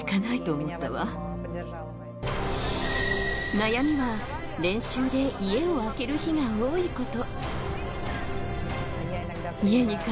悩みは練習で家をあける日が多いこと。